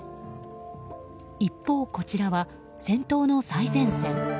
一方、こちらは戦闘の最前線。